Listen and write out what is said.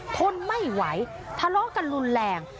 ทนไม่ไหวทะเลาะกันรุนแรง